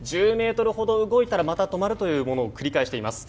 １０ｍほど動いたらまた止まるということを繰り返しています。